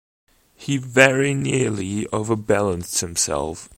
He very nearly overbalanced himself.